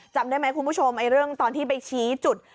จำได้ไหมคุณผู้ชมเรื่องตอนที่ไปชี้จุด